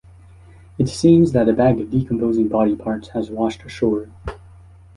It seems that a bag of decomposing body parts has washed ashore.